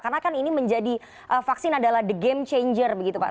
karena kan ini menjadi vaksin adalah the game changer begitu pak